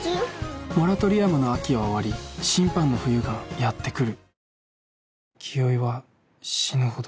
モラトリアムの秋は終わり審判の冬がやってくる。